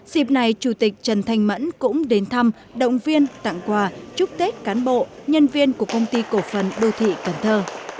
dịp này chủ tịch trần thanh mẫn cũng đến thăm động viên tặng quà chúc tết cán bộ nhân viên của công ty cổ phần đô thị cần thơ